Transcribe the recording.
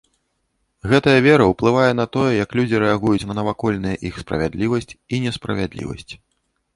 Гэтая вера ўплывае на тое, як людзі рэагуюць на навакольныя іх справядлівасць і несправядлівасць.